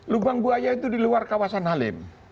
lubang buaya itu di luar kawasan halim